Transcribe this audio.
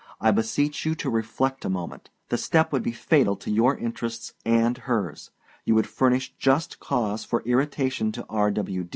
I beseech you to reflect a moment. The step would be fatal to your interests and hers. You would furnish just cause for irritation to R.